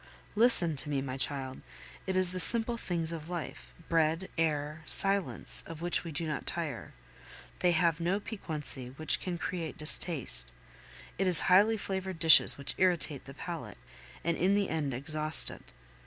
Listen to me, my child! It is the simple things of life bread, air, silence of which we do not tire; they have no piquancy which can create distaste; it is highly flavored dishes which irritate the palate, and in the end exhaust it.